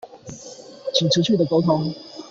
請持續的溝通